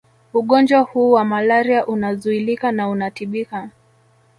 Ugonjwa hu wa malaria unazuilika na unatibika